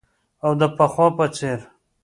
او د پخوا په څیر